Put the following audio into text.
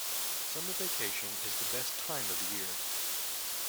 Summer vacation is the best time of the year!